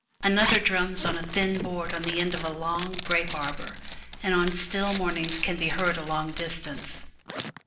Another drums on a thin board on the end of a long grape arbor, and on still mornings can be heard a long distance.